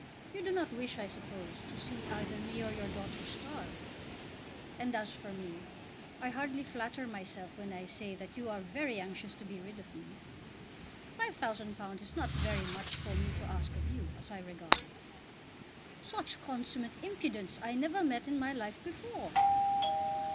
You do not wish, I suppose, to see either me or your daughter starve. And as for me, I hardly flatter myself when I say that you are very anxious to be rid of me. £5000 is not very much for me to ask of you, as I regard it." "Such consummate impudence I never met in my life before!"